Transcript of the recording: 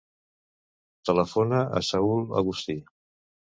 Telefona al Saül Agusti.